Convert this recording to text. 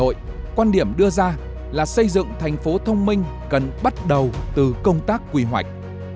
đối với thủ đô hà nội quan điểm đưa ra là xây dựng thành phố thông minh cần bắt đầu từ công tác quy hoạch